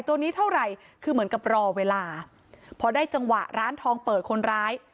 ตัวนี้เท่าไหร่คือเหมือนกับรอเวลาพอได้จังหวะร้านทองเปิดคนร้าย